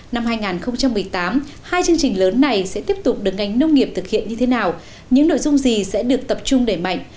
năm hai nghìn một mươi tám hai chương trình lớn này sẽ tiếp tục được ngành nông nghiệp thực hiện như thế nào những nội dung gì sẽ được tập trung đẩy mạnh